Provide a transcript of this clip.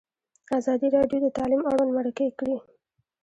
ازادي راډیو د تعلیم اړوند مرکې کړي.